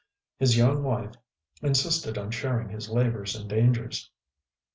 His young wife insisted on sharing his labors and dangers.